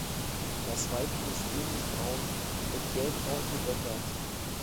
Das Weibchen ist ähnlich braun und gelbbraun gebändert.